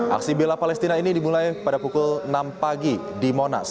aksi bela palestina ini dimulai pada pukul enam pagi di monas